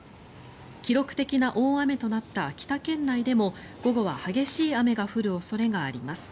記録的な大雨となった秋田県内でも午後は激しい雨が降る恐れがあります。